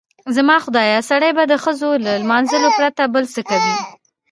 زما خدایه سړی به د ښځو له لمانځلو پرته بل څه کوي؟